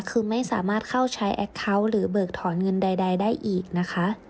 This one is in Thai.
คือไม่สามารถเข้าใช้แอคเคาน์หรือเบิกถอนเงินใดได้อีกนะคะ